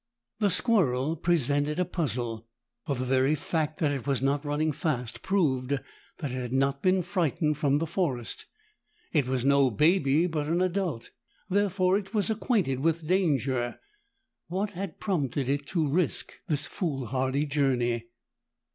The squirrel presented a puzzle, for the very fact that it was not running fast proved that it had not been frightened from the forest. It was no baby but an adult, therefore it was acquainted with danger. What had prompted it to risk this foolhardy journey?